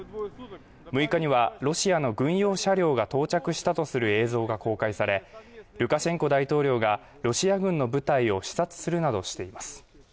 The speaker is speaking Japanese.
６日にはロシアの軍用車両が到着したとする映像が公開されルカシェンコ大統領がロシア軍の部隊を視察するなどしています